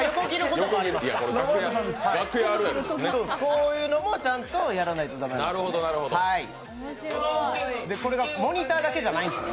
こういうのも、ちゃんとやらないと駄目なんです。